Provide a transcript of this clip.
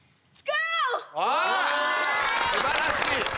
すばらしい！